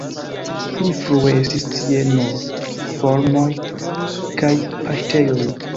Pli frue estis tie nur farmoj kaj paŝtejoj.